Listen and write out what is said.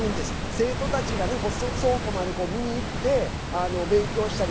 生徒たちが倉庫まで見に行って勉強したり